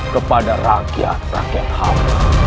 kepada rakyat rakyat hamba